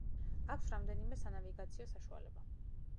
აქვს რამდენიმე სანავიგაციო საშუალება.